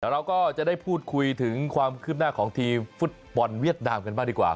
เราก็จะได้พูดคุยถึงความคืบหน้าของทีมฟุตบอลเวียดนามกันบ้างดีกว่า